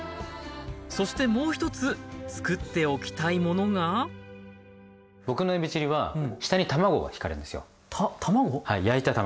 そしてもう一つ作っておきたいものが僕のえびチリは下に卵がひかれるんですよ。